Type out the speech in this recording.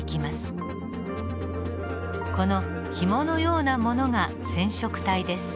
このひものようなものが染色体です。